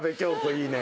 いいね。